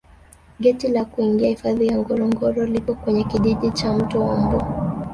geti la kuingia hifadhi ya ngorongoro lipo kwenye kijiji cha mto wa mbu